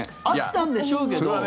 あったんでしょうけど。